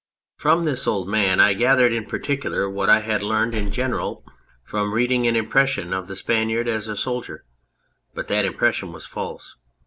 From this old man I gathered in particular what 1 had learned in general from reading, an impression of the Spaniard as a soldier, but that impression was false.